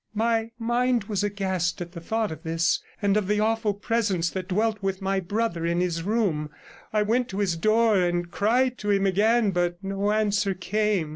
My mind was aghast at the thought of this, and of the awful presence that dwelt with my brother in his room; I went to his door and cried to him again, but no answer came.